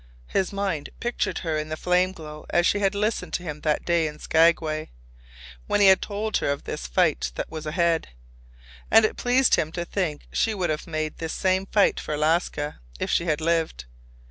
His mind pictured her in the flame glow as she had listened to him that day in Skagway, when he had told her of this fight that was ahead. And it pleased him to think she would have made this same fight for Alaska if she had lived.